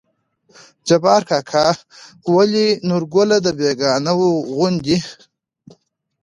جبار کاکا: ولې نورګله د بيګانه وو غوندې